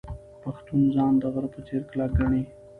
پښتون ځان د غره په څیر کلک ګڼي.